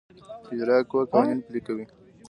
اجرائیه قوه قوانین پلي کوي